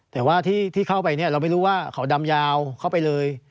แต่ว่าที่เข้าไปเนี่ยเราไม่รู้ว่าเขาดำยาวเข้าไปเลย